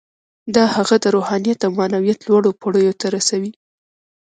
دا هغه د روحانیت او معنویت لوړو پوړیو ته رسوي